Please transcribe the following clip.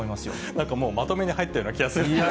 なんかもう、まとめに入ったような気がするんですけど。